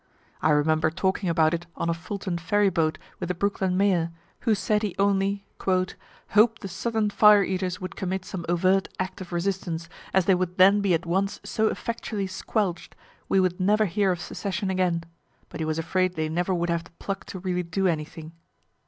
I remember talking about it on a Fulton ferry boat with the Brooklyn mayor, who said he only "hoped the Southern fire eaters would commit some overt act of resistance, as they would then be at once so effectually squelch'd, we would never hear of secession again but he was afraid they never would have the pluck to really do anything."